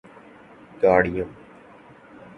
گاڑیوں